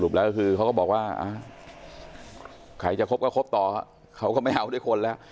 แล้วคือเขาก็บอกว่าใครจะคบก็คบต่อเขาก็ไม่เอาด้วยคนแล้ว